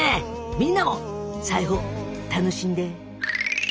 みんなも裁縫楽しんで。